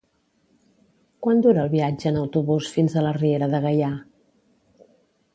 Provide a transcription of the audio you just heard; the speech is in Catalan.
Quant dura el viatge en autobús fins a la Riera de Gaià?